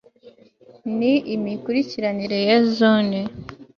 n imikurikiranire ya zone